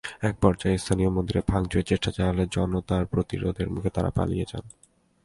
একপর্যায়ে স্থানীয় মন্দিরে ভাঙচুরের চেষ্টা চালালে জনতার প্রতিরোধের মুখে তাঁরা পালিয়ে যান।